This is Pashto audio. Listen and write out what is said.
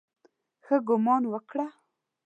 ښه ګومان وکړه.